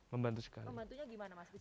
membantunya gimana mas